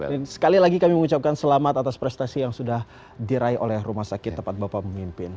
dan sekali lagi kami mengucapkan selamat atas prestasi yang sudah diraih oleh rumah sakit tempat bapak